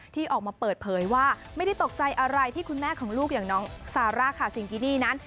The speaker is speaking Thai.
ที่ออกมาเปิดเผยว่าไม่ได้ตกใจอะไรที่คุณแม่ของลูกอย่างน้องซาร่าคาซิงกินี่นั้น